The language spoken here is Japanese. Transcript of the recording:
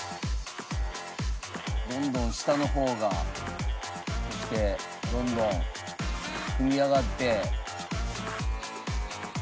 どんどん下の方がきてどんどん組み上がって。